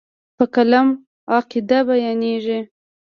په قلم عقاید بیانېږي.